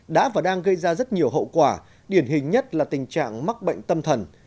đã và đang gây ra rất nhiều hậu quả điển hình nhất là tình trạng mắc bệnh tâm thần